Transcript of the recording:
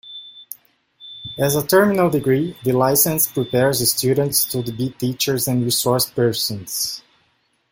As a terminal degree, the license prepares students to be teachers and resource persons.